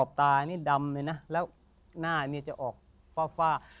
ตานี่ดำเลยนะแล้วหน้านี่จะออกฟ้า